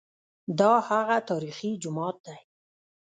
دا هغه تاریخي جومات دی.